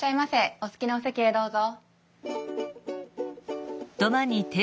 お好きなお席へどうぞ。